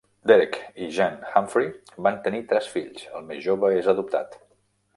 Derek i Jean Humphry van tenir tres fills, el més jove és adoptat.